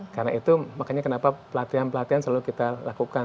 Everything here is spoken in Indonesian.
karena itu makanya kenapa pelatihan pelatihan selalu kita lakukan